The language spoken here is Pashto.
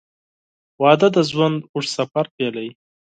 • واده د ژوند اوږد سفر پیلوي.